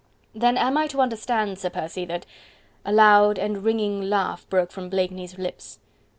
"Then am I to understand, Sir Percy, that..." A loud and ringing laugh broke from Blakeney's lips.